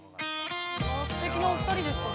◆すてきなお二人でしたね。